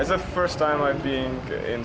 ini adalah pertama kali saya berada di kria anggrek ini